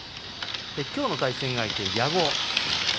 きょうの対戦相手、矢後。